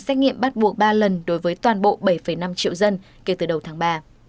xét nghiệm bắt buộc ba lần đối với toàn bộ bảy năm triệu dân kể từ đầu tháng ba